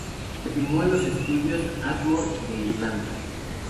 Se filmó en los estudios Ardmore de Irlanda.